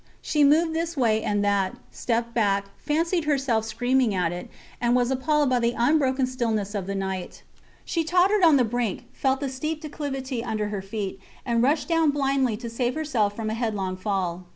She moved this way and that, stepped back, fancied herself screaming at it, and was appalled by the unbroken stillness of the night. She tottered on the brink, felt the steep declivity under her feet, and rushed down blindly to save herself from a headlong fall.